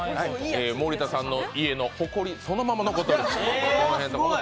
森田さんの家のほこり、そのまま残っています。